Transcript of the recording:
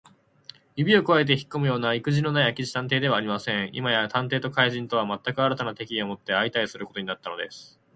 指をくわえてひっこむようないくじのない明智探偵ではありません。今や探偵と怪人とは、まったく新たな敵意をもって相対することになったのです。